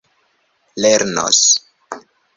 lernos